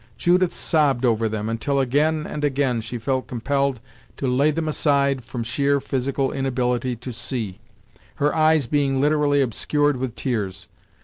Judith sobbed over them, until again and again she felt compelled to lay them aside from sheer physical inability to see; her eyes being literally obscured with tears.